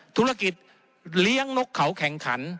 ธุรกิจเลี้ยงนกเขาแข่งขัน